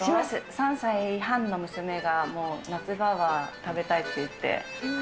３歳半の娘が、もう夏場は食べたいって言って。